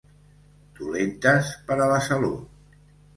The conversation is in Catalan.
Dolentes per a la salut.